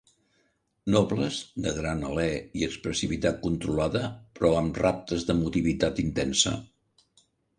Nobles, de gran alè i expressivitat controlada, però amb raptes d'emotivitat intensa.